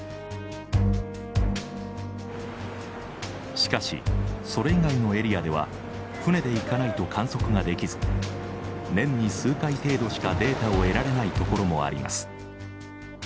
しかしそれ以外のエリアでは船で行かないと観測ができず年に数回程度しかデータを得られないところもあります。